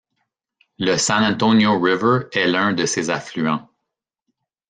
La San Antonio River est l'un de ses affluents.